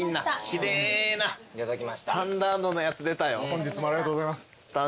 本日もありがとうございます。